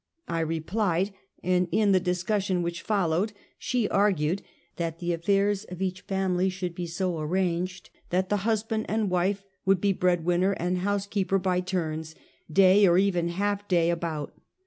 I replied, and in the discussion which followed she argued that the affairs of each fam ily should be so arranged that the husband and wife would be breadwinner and housekeeper by turns, day or even half day about.